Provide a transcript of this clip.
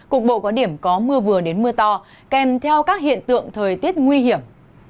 cục bộ có điểm có mưa vừa đến mưa to kèm theo các hiện tượng thời tiết nguy hiểm